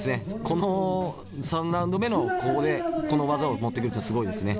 この３ラウンド目のここでこの技を持ってくるってすごいですね。